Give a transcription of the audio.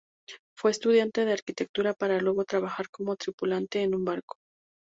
Fue estudiante de arquitectura, para luego trabajar como tripulante en un barco.